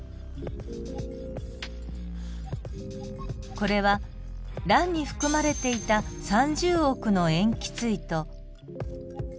これは卵に含まれていた３０億の塩基対と。